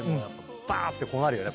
ばーってこうなるよね